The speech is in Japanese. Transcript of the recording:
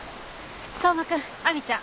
相馬君亜美ちゃん